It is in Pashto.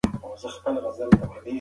ماسوم ته مینه ورکول هغه له بدیو ساتي.